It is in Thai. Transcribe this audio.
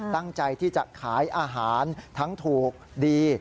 ตั้งใจที่จะขายอาหารทั้งถูกดี